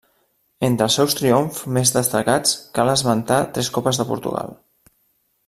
Entre els seus triomfs més destacats cal esmentar tres copes de Portugal.